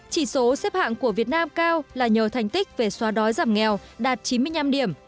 chỉ số xếp hạng của việt nam cao là nhờ thành tích về xóa đói giảm nghèo đạt chín mươi năm điểm